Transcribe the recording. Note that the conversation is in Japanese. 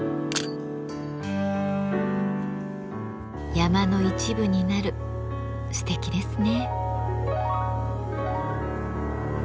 山の一部になるすてきですね。